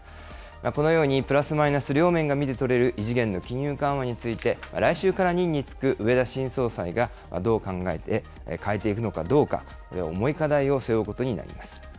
このようにプラスマイナス両面が見て取れる異次元の金融緩和について、来週から任につく植田新総裁がどう考えて、変えていくのかどうか、重い課題を背負うことになります。